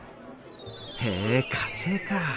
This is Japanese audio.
へえ火星か。